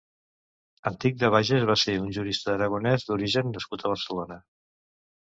Antich de Bages va ser un jurista aragonès d'origen nascut a Barcelonès.